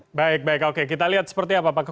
oke baik baik oke kita lihat seperti apa pak